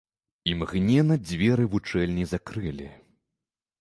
Імгненна дзверы вучэльні закрылі.